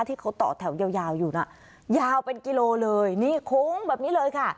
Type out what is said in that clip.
ที่เขาต่อแถวยาวยาวอยู่น่ะยาวเป็นกิโลเลยนี่โค้งแบบนี้เลยค่ะ